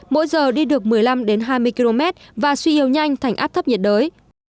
mỗi giờ đi được một mươi năm hai mươi km và suy yếu nhanh thành áp thấp nhiệt đới